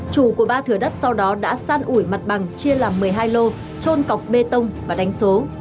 chủ của ba thừa đất sau đó đã san ủi mặt bằng chia làm một mươi hai lô trôn cọc bê tông và đánh số